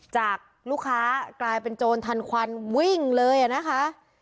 จากลูกค้ากลายเป็นโจรทันควันวิ่งเลยนะคะ